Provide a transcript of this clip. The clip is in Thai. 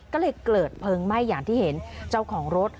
ก็เลยเกิดเพลิงไหม้อย่างที่เห็นเจ้าของรถ